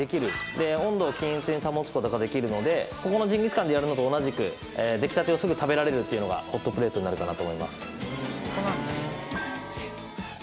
で温度を均一に保つ事ができるのでここのジンギスカンでやるのと同じく出来たてをすぐ食べられるっていうのがホットプレートになるかなと思います。